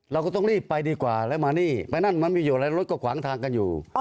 เราก็ต้องรีบไปดีกว่าแล้วมานี่ไปนั่นมันมีอยู่แล้วรถก็ขวางทางกันอยู่